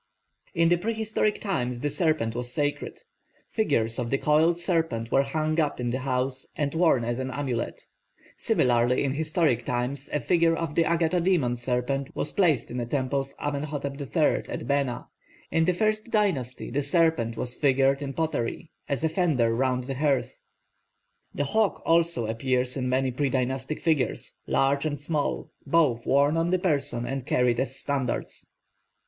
In the prehistoric times the serpent was sacred; figures of the coiled serpent were hung up in the house and worn as an amulet; similarly in historic times a figure of the agathodemon serpent was placed in a temple of Amenhotep III at Benha. In the first dynasty the serpent was figured in pottery, as a fender round the hearth. The hawk also appears in many predynastic figures, large and small, both worn on the person and carried as standards.